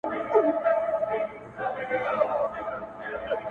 نن مي په دېوان کي د جانان حماسه ولیکه٫